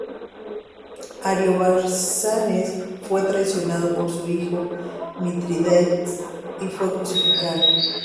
Ariobarzanes fue traicionado por su hijo Mitrídates y fue crucificado.